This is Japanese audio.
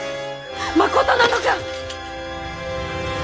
まことなのか！